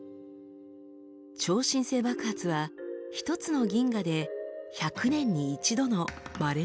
超新星爆発は一つの銀河で１００年に一度のまれな現象です。